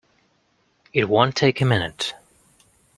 It won't take a minute!